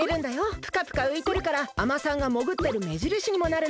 ぷかぷかういてるからあまさんがもぐってるめじるしにもなるの。